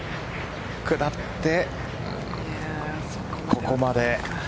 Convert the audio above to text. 下ってここまで。